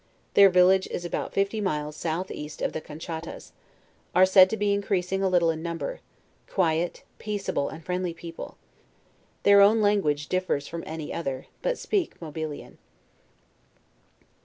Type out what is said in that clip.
Their village is abput fifty miles south east of the Conchattas; are said to be increasing a little in number; quiet, peaceable^ and friendly people. Their own language differs from any other, but speak Mo bilian.